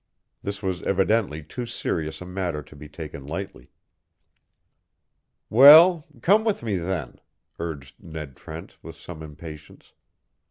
This was evidently too serious a matter to be taken lightly. "Well, come with me, then," urged Ned Trent, with some impatience.